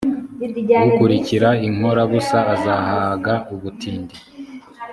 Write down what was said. ukurikiza inkorabusa azahaga ubutindi